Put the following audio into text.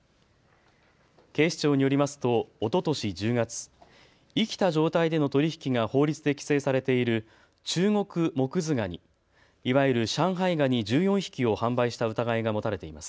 警視庁によりますとおととし１０月、生きた状態での取り引きが法律で規制されているチュウゴクモクズガニ、いわゆる上海ガニ１４匹を販売した疑いが持たれています。